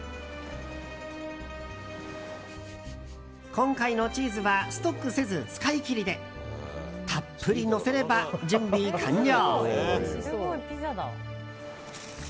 今回のチーズはストックせず使いきりでたっぷりのせれば、準備完了。